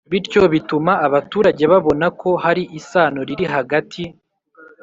bityo ituma abaturage babona ko hari isano iri hagati